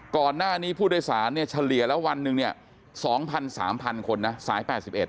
ก่อนหน้านี้ผู้โดยสารเนี่ยเฉลี่ยแล้ววันหนึ่งเนี่ย๒๐๐๓๐๐คนนะสาย๘๑